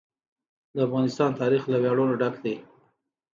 د افغانستان تاریخ له ویاړونو ډک دی.